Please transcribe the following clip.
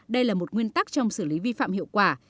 đây là một nguyên tắc trong xử lý vi phạm hiệu quả